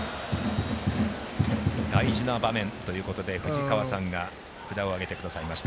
大事な場面ということで藤川さんが札を上げてくださいました。